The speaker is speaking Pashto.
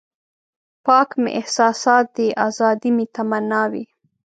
پاک مې احساسات دي ازادي مې تمنا وي.